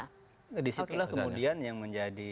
nah disitulah kemudian yang menjadi